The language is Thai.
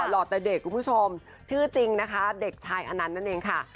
หล่อแต่เด็กคุณผู้ชมชื่อจริงนะคะเด็กชายอนันต์นั่นเองค่ะ